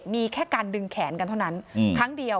มีแค่การดึงแขนกันเท่านั้นครั้งเดียว